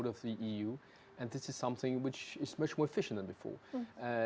dan hal ini lebih efisien dari yang sebelumnya